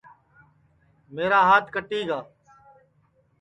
ٻھاتوڑے کا ہات کٹی گا ہے